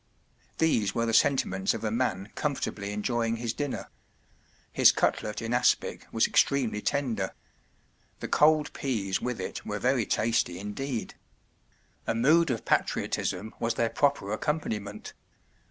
” These were the sentiments of a man com¬ fortably enjoying his dinner. His cutlet in aspic was extremely tender; the cold peas with it were very tasty indeed. A mood of patriotism was their proper accompaniment.